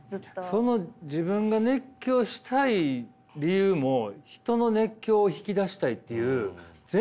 その自分が熱狂したい理由も人の熱狂を引き出したいという全部自分よりも。